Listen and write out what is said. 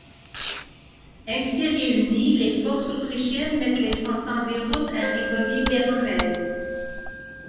Ainsi réunies, les forces autrichiennes mettent les Français en déroute à Rivoli Veronese.